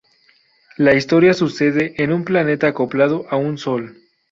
La historia sucede en un planeta acoplado a un sol.